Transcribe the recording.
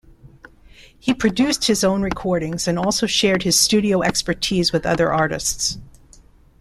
He produced his own recordings and also shared his studio expertise with other artists.